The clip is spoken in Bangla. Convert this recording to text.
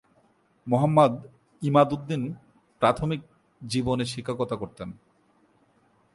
মোহাম্মদ ইমাদ উদ্দিন প্রাথমিক জীবনে শিক্ষকতা করতেন।